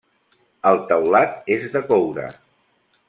El taulat és de coure.